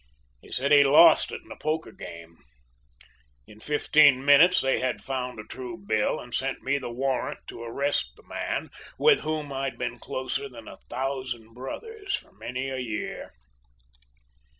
He said he lost it in a poker game. In fifteen minutes they had found a true bill and sent me the warrant to arrest the man with whom I'd been closer than a thousand brothers for many a year.